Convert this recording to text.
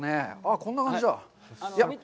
こんな感じだ。